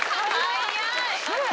早い！